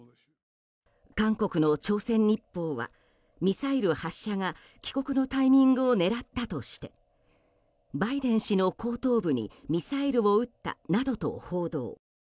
韓国の朝鮮日報はミサイル発射は帰国のタイミングを狙ったとしてバイデン氏の後頭部にミサイルを撃ったなどと報道。